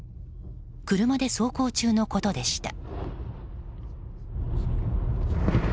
車で走行中のことでした。